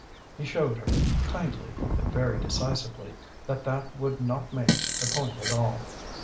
He showed her, kindly, but very decisively, that that would not make the point at all.